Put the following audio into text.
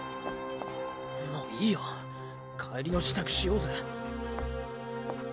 もういいよ帰りの支度しようぜ。